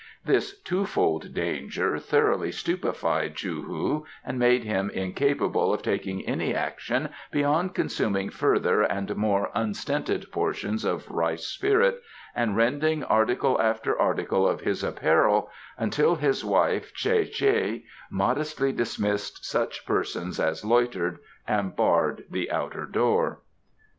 This twofold danger thoroughly stupefied Chou hu and made him incapable of taking any action beyond consuming further and more unstinted portions of rice spirit and rending article after article of his apparel until his wife Tsae che modestly dismissed such persons as loitered, and barred the outer door.